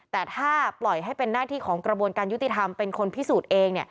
แต่ถ้าปล่อยให้เป็นหน้าที่ของกระบวนการยุติธรรมเป็นคนพิสูจน์เอง